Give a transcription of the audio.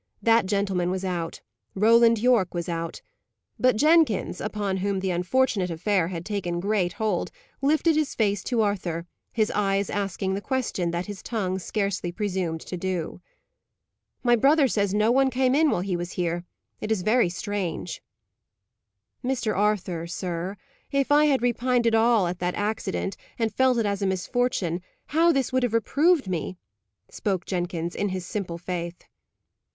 That gentleman was out. Roland Yorke was out. But Jenkins, upon whom the unfortunate affair had taken great hold, lifted his face to Arthur, his eyes asking the question that his tongue scarcely presumed to do. "My brother says no one came in while he was here. It is very strange!" "Mr. Arthur, sir, if I had repined at all at that accident, and felt it as a misfortune, how this would have reproved me!" spoke Jenkins, in his simple faith.